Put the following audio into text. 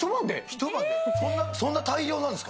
そんな大量なんですか？